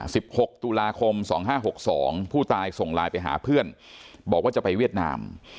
หกตุลาคมสองห้าหกสองผู้ตายส่งไลน์ไปหาเพื่อนบอกว่าจะไปเวียดนาม